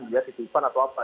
dia titipan atau apa